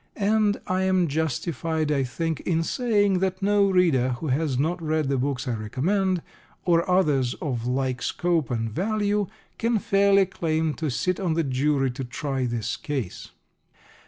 And I am justified, I think, in saying that no reader who has not read the books I recommend, or others of like scope and value, can fairly claim to sit on the jury to try this case.